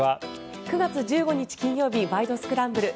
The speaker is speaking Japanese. ９月１５日、金曜日「ワイド！スクランブル」。